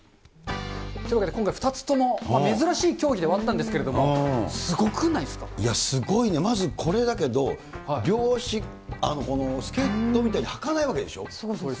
というわけで今回、２つとも珍しい競技ではあったんですけど、いや、すごいね、まずこれだけど、両足、スケートみたいに履かないわけでしょう。